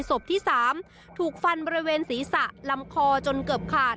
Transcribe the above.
ศพที่๓ถูกฟันบริเวณศีรษะลำคอจนเกือบขาด